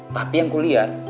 tapi yang aku liat